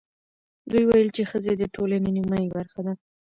دوی ویل چې ښځې د ټولنې نیمايي برخه ده.